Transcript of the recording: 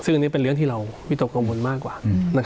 ซึ่งอันนี้เป็นเรื่องที่เราวิตกกังวลมากกว่า